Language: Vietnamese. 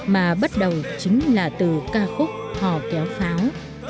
mà bắt đầu chính là từ ca khúc hò kéo pháo